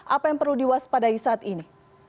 apa yang perlu diwaspadai saat ini